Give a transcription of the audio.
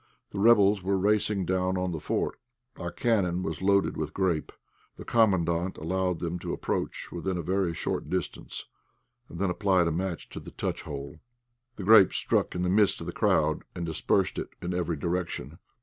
The rebels were racing down on the fort. Our cannon was loaded with grape. The Commandant allowed them to approach within a very short distance, and again applied a match to the touch hole. The grape struck in the midst of the crowd, and dispersed it in every direction.